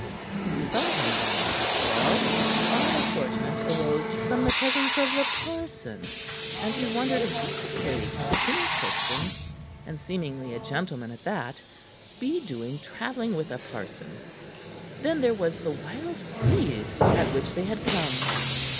He bethought him that, after all, the odd assortment arose from the presence of the parson; and he wondered what the plague should any Christian and seemingly a gentleman at that be doing travelling with a parson. Then there was the wild speed at which they had come.